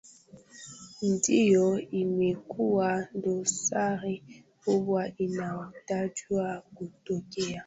ndiyo imekuwa dosari kubwa inaotajwa kutokea